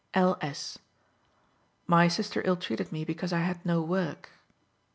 L. S.: "My sister ill treated me because I had no work."